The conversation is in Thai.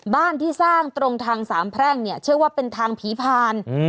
บ้านที่สร้างตรงทางสามแพร่งเนี่ยเชื่อว่าเป็นทางผีผ่าน